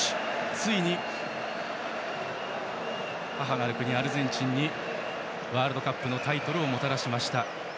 ついに、母なる国アルゼンチンにワールドカップのタイトルをもたらしました。